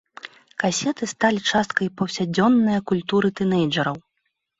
Касеты сталі часткай паўсядзённая культуры тынэйджэраў.